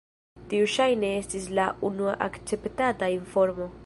Tiu ŝajne estis la unua akceptata informo.